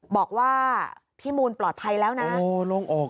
บอกว่าพี่มูนปลอดภัยแล้วนะโอ้โหโล่งอก